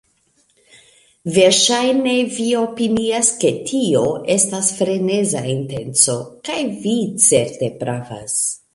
Verŝajne vi opinias, ke tio estis freneza intenco, kaj vi certe pravas.